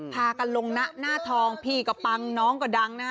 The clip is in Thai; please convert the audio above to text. พากันลงนะหน้าทองพี่ก็ปังน้องก็ดังนะฮะ